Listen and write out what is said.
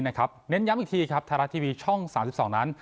เน้นย้ำอีกทีทาราทีวีช่อง๓๒นั้น